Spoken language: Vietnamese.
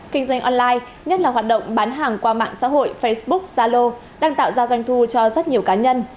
kinh doanh online nhất là hoạt động bán hàng qua mạng xã hội facebook zalo đang tạo ra doanh thu cho rất nhiều cá nhân